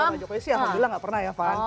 pak jokowi sih alhamdulillah nggak pernah ya faham